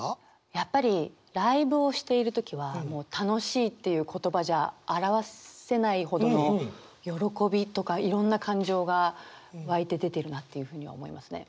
やっぱりライブをしている時はもう「楽しい」っていう言葉じゃ表せないほどの喜びとかいろんな感情が湧いて出てるなっていうふうには思いますね。